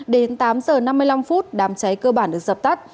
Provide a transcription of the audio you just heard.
đến tám giờ năm mươi năm phút đám cháy cơ bản được dập tắt